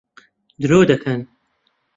درۆ دەکەن.